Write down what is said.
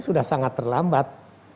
sudah sangat terlambat